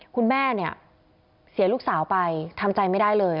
คุณแม่เนี่ยเสียลูกสาวไปทำใจไม่ได้เลย